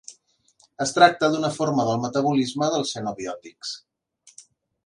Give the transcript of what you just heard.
Es tracta d'una forma del metabolisme dels xenobiòtics.